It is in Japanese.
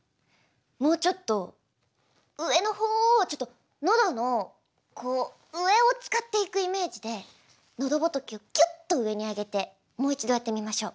もうちょっと上のほうをちょっと喉のこう上を使っていくイメージで喉仏をきゅっと上に上げてもう一度やってみましょう。